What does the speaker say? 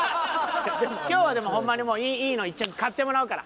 今日はでもホンマにいいの一着買ってもらうから。